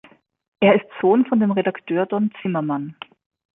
Er ist der Sohn von dem Redakteur Don Zimmerman.